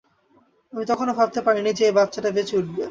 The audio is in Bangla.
আমি তখনও ভাবতে পারিনি যে এই বাচ্চাটা বেঁচে উঠবে।